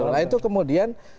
nah itu kemudian